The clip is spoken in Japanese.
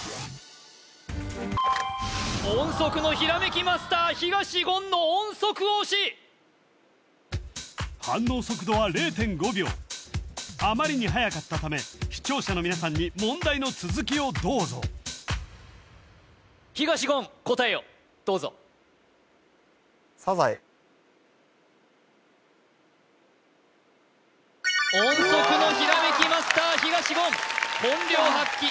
音速のひらめきマスター東言の音速押し反応速度は０．５秒あまりにはやかったため視聴者の皆さんに問題の続きをどうぞ東言答えをどうぞ音速のひらめきマスター東言本領発揮